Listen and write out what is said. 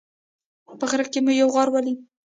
په غره کې مې یو غار ولید